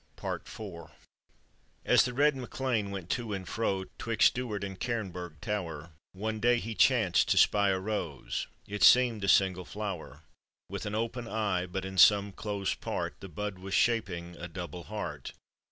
PART IV. As the red MacLean went to and fro 'Twixt Duard and Cairnburg tower, One day he chanced to spy a rote; It seemed a single flower With an open eye, but in come close part The bud was shaping a double heart.